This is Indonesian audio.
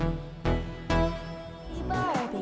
eh si glendon